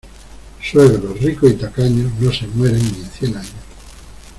Suegros, ricos y tacaños, no se mueren ni en cien años.